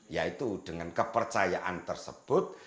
ya itu dengan kepercayaan tersebut